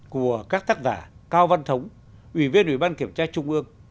của các tác giả cao văn thống ủy viên ủy ban kiểm tra trung ương